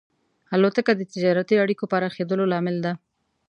الوتکه د تجارتي اړیکو پراخېدلو لامل ده.